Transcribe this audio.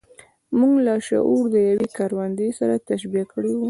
موږ لاشعور له يوې کروندې سره تشبيه کړی و.